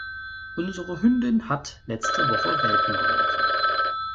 Unsere Hündin hat letzte Woche Welpen geworfen.